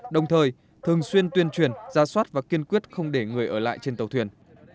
đồng thời thường xuyên tuyên truyền ra soát và kiên quyết không để người ở lại trên tàu thuyền